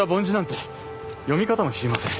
読み方も知りません。